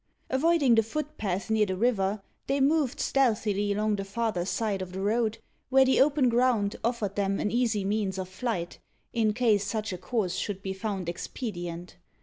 Avoiding the footpath near the river, they moved stealthily along the farther side of the road, where the open ground offered them an easy means of flight, in case such a course should be found expedient.